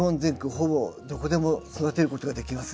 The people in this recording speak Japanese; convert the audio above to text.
ほぼどこでも育てることができます。